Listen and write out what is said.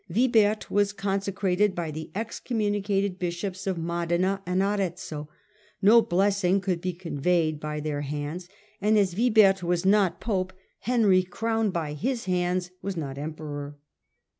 Wibert was consecrated by the excommunicated bishops of Modena and Arezzo; no blessing could be conveyed by their hands, and as Wibert was not pope, Henry, crowned by his hands, was not emperor.